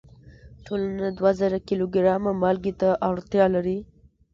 ټولنه دوه زره کیلو ګرامه مالګې ته اړتیا لري.